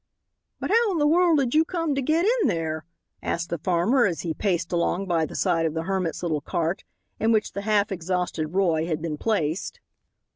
"But how in the world did you come to get in there?" asked the farmer, as he paced along by the side of the hermit's little cart, in which the half exhausted Roy had been placed.